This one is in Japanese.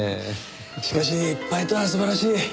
しかし一敗とは素晴らしい。